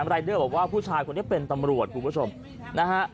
รายเดอร์บอกว่าผู้ชายคนนี้เป็นตำรวจคุณผู้ชมนะฮะ